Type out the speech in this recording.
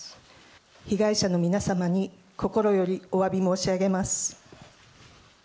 被害者の皆様に心よりおわび申し上げます。